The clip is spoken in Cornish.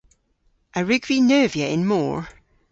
A wrug vy neuvya y'n mor?